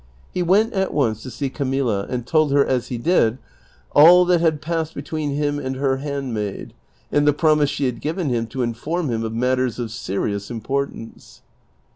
CHAPTER XXXV. 305 He went at once to see Camilla, and tell her, as he did, all that had passed between him and her handmaid, and the ijromise she had given him to inform him of matters of serious importance.